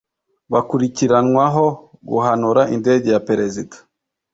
Bakurikiranwaho guhanura indege ya perezida